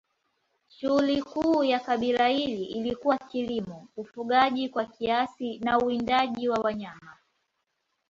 Shughuli kuu ya kabila hili ilikuwa kilimo, ufugaji kwa kiasi na uwindaji wa wanyama.